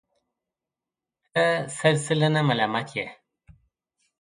ته سل سلنه ملامت یې.